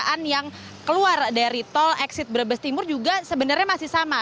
kendaraan yang keluar dari tol exit brebes timur juga sebenarnya masih sama